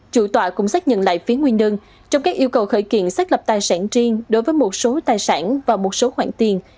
chủ tòa cũng xác nhận lại phía nguyên đơn trong các yêu cầu khởi kiện xác lập tài sản riêng đối với một số tài sản và một số khoản tiền